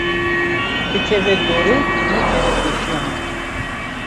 Bikeve dorê, nekeve pêşiya min.